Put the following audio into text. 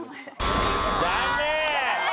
残念！